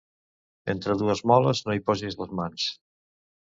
Entre dues moles no hi posis les mans.